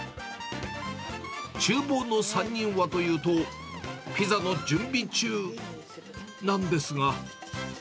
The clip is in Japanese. ちゅう房の３人はというと、ピザの準備中、なんですが。